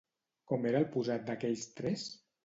Com era el posat d'aquells tres?